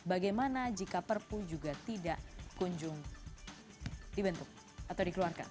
bagaimana jika perpu juga tidak kunjung dibentuk atau dikeluarkan